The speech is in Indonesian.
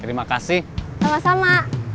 terima kasih sama sama